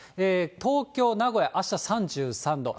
東京、名古屋、あした３３度。